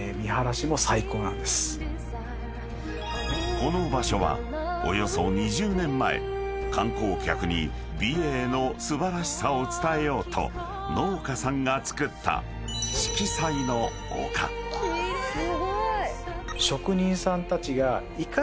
［この場所はおよそ２０年前観光客に美瑛の素晴らしさを伝えようと農家さんがつくった］工夫しながら。